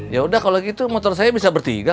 yaudah kalo gitu motor saya bisa bertiga